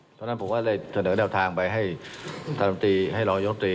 เพราะฉะนั้นผมก็เลยเสนอแนวทางไปให้ท่านตรีให้รองยมตรี